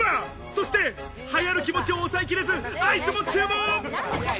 そして、はやるある気持ちを抑えきれずアイスも注文。